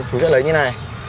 chú sẽ lấy như này